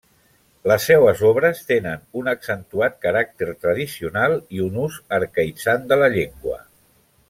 Les seues obres tenen un accentuat caràcter tradicional i un ús arcaïtzant de la llengua.